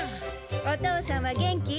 お父さんは元気？